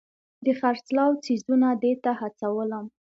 د خرڅلاو څیزونه دې ته هڅولم.